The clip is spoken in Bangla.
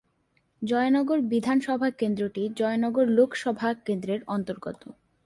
জয়নগর বিধানসভা কেন্দ্রটি জয়নগর লোকসভা কেন্দ্রের অন্তর্গত।